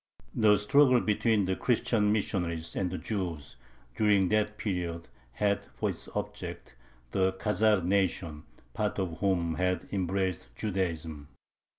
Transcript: The struggle between the Christian missionaries and the Jews during that period had for its object the Khazar nation, part of whom had embraced Judaism.